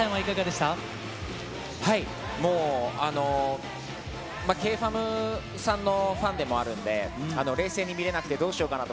もう、Ｋｆａｍさんのファンでもあるんで、冷静に見れなくてどうしようかなと。